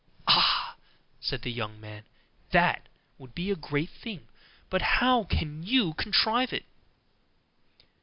'Ah!' said the young man, 'that would be a great thing, but how can you contrive it?